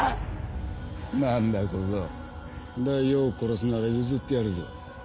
何だ小僧大王を殺すなら譲ってやるぞ。